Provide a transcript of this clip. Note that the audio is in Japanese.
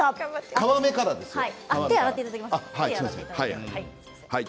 皮目からですね。